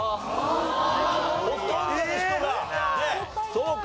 そうか。